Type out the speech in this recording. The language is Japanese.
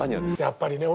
やっぱりね。